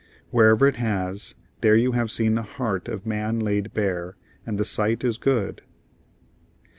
Wherever it has, there you have seen the heart of man laid bare; and the sight is good.